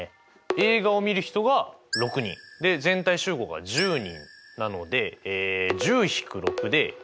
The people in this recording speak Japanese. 映画をみる人が６人全体集合が１０人なので１０−６で４。